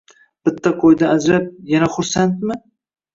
Bitta qo`ydan ajrab, yana xursandmi